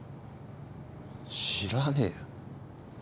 知らねえよ。